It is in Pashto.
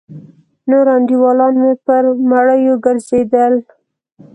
نور انډيولان مې پر مړيو گرځېدل.